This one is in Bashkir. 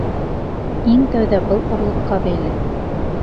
Иң тәүҙә был орлоҡҡа бәйле.